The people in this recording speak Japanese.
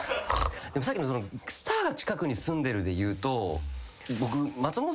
さっきのスターが近くに住んでるでいうと僕。